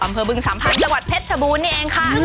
สำเภอบึงสามพันธ์จังหวัดเพชรชะบูนเองค่ะ